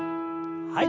はい。